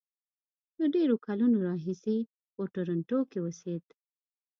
له ډېرو کلونو راهیسې په ټورنټو کې اوسېد.